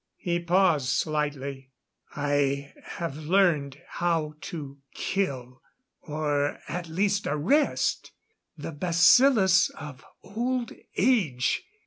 He paused slightly. "I have learned how to kill, or at least arrest, the bacillus of old age.